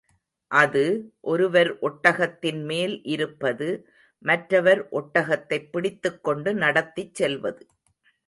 அது, ஒருவர் ஒட்டகத்தின் மேல் இருப்பது, மற்றவர் ஒட்டகத்தைப் பிடித்துக் கொண்டு நடத்திச் செல்வது.